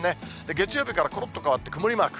月曜日からころっと変わって、曇りマーク。